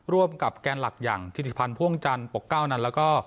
ร่วมกับแกนหลักอย่างธิติพันธ์พ่วงจันทร์ปกเก้านั้นแล้วก็